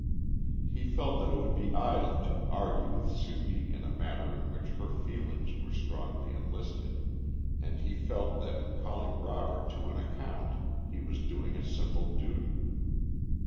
He felt that it would be idle to argue with Sudie in a matter in which her feelings were strongly enlisted, and he felt that in calling Robert to an account he was doing a simple duty.